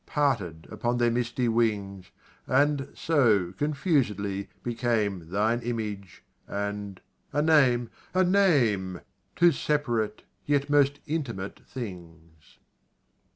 Parted upon their misty wings, And, so, confusedly, became Thine image, and a name a name! Two separate yet most intimate things.